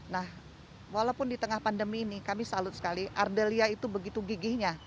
nah walaupun di tengah pandemi ini kami salut sekali ardelia itu begitu gigihnya